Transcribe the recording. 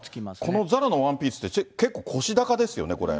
このＺＡＲＡのワンピースって、結構腰高ですよね、これ。